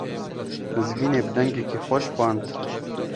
Mizgînê bi dengekî xweş xwend.